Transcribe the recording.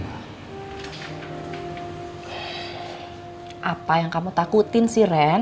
apa yang kamu takutin sih ren